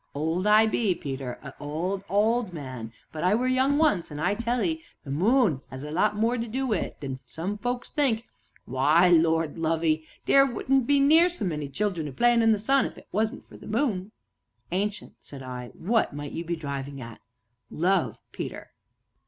"Old I be, Peter, a old, old man, but I were young once, an' I tell 'ee the moon 'as a lot more to do wi' it than some folks think why, Lord love 'ee! theer wouldn't be near so many children a playin' in the sun if it wasn't for the moon!" "Ancient," said I, "what might you be driving at?" "Love, Peter!"